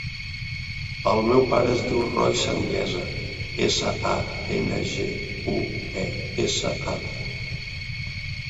El meu pare es diu Roi Sanguesa: essa, a, ena, ge, u, e, essa, a.